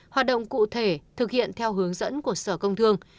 hoạt động cụ thể thực hiện theo hướng dẫn của sở công thương